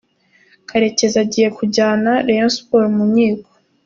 Karekezi agiye kujyana rayon Sports mu nkiko.